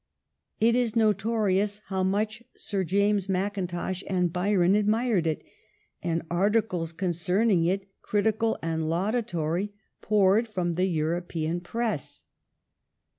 It is notorious how much Sir James Mackintosh and Byron admired it ; and articles concerning it, crit ical and laudatory, poured from the European press.